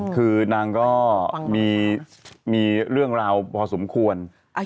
คือนางก็มีเรื่องราวพอสมควร